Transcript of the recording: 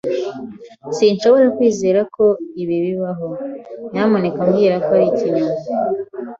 Sinshobora kwizera ko ibi bibaho. Nyamuneka mbwira ko ari ikinyoma!